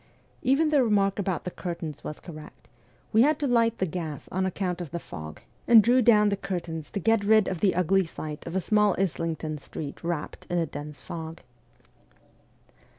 Even the remark about the curtains was correct : we had to light the gas on account of the fog, and drew down the curtains to get rid of the ugly sight of a small Islington street wrapped in a dense fog.